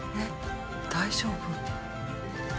大丈夫？